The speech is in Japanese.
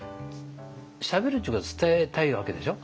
しゃべるっちゅうことは伝えたいわけでしょ。